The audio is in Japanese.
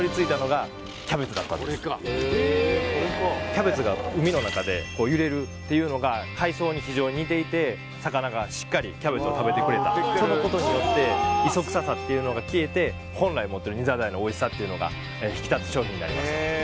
キャベツが海の中で揺れるっていうのが海藻に非常に似ていて魚がしっかりキャベツを食べてくれたそのことによって磯臭さっていうのが消えて本来持ってるニザダイのおいしさっていうのが引き立つ商品になりました